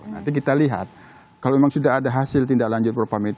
nanti kita lihat kalau memang sudah ada hasil tindak lanjut propam itu